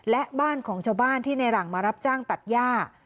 และบ้านของชาวบ้านที่ในหลังมารับจ้างตัดย่า